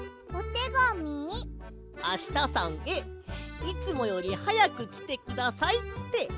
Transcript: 「あしたさんへいつもよりはやくきてください」って。